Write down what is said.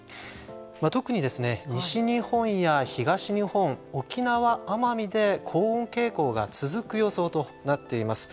特にですね西日本や東日本沖縄、奄美で高温傾向が続く予想となっています。